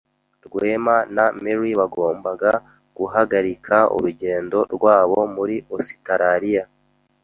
Rwema na Mary bagombaga guhagarika urugendo rwabo muri Ositaraliya.